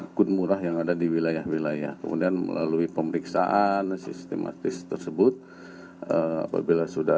akun murah yang ada di wilayah wilayah kemudian melalui pemeriksaan sistematis tersebut apabila sudah